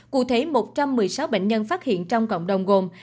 cụ thể một trăm một mươi sáu bệnh nhân phát hiện trong cộng đồng gồm